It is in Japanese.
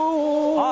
ああ。